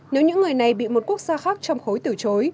nếu những người này bị một quốc gia khác trong khối từ chối